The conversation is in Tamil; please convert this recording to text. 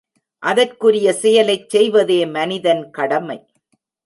அதற்குரிய செயலைச் செய்வதே மனிதன் கடமை.